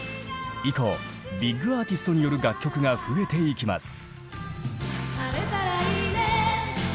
以降ビッグアーティストによる楽曲が増えていきます。